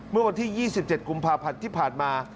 เมื่อวันที่๒๗กุมภาพันธ์ที่ผ่านมา